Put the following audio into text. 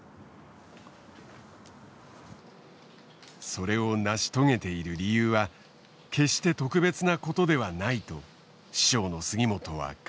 それを成し遂げている理由は決して特別なことではないと師匠の杉本は語る。